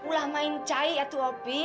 pulah main cahaya tua pi